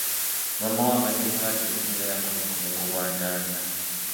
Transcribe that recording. Maama we abadde mulwadde nnyo era yakomye ku mugo gwa ntaana.